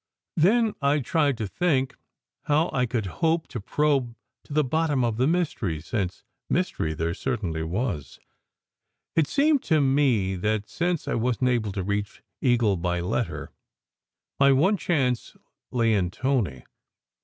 Then I tried to think how I could hope to probe to the bottom of the mystery, since mystery there certainly was. It seemed to me that, SECRET HISTORY 127 since I wasn t able to reach Eagle by letter, my one chance lay in Tony.